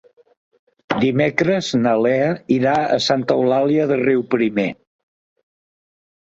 Dimecres na Lea irà a Santa Eulàlia de Riuprimer.